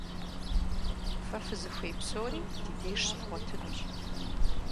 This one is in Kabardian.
Фэ фызыхуей псори ди деж щывгъуэтынущ.